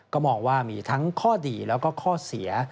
ก็มองว่ามีทั้งข้อดีแล้วก็ข้อเสีย